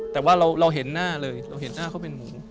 แต่ว่าเราเห็นหน้าเลยเราเห็นหน้าเขาเป็นหมู